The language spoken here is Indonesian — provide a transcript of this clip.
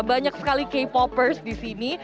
banyak sekali k popers di sini